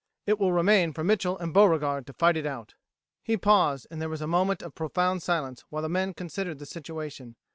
It will remain for Mitchel and Beauregard to fight it out." He paused, and there was a moment of profound silence while the men considered the situation.